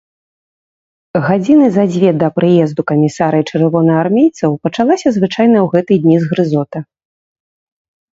Гадзіны за дзве да прыезду камісара і чырвонаармейцаў пачалася звычайная ў гэтыя дні згрызота.